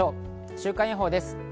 週間予報です。